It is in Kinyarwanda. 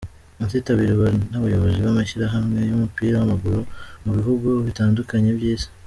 Izitabirwa n’abayobozi b’amashyirahamwe y’umupira w’amaguru mu bihugu bitandukanye by’Isi.